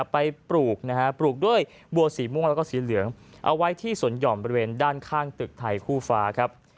ปลูกนะฮะปลูกด้วยบัวสีม่วงแล้วก็สีเหลืองเอาไว้ที่สวนหย่อมบริเวณด้านข้างตึกไทยคู่ฟ้าครับ